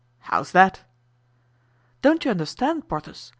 "How's that?" "Don't you understand, Porthos?